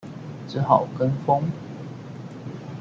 只好跟風